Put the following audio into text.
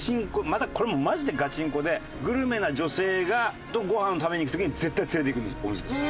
またこれもマジでガチンコでグルメな女性とご飯を食べに行く時に絶対連れて行くお店です。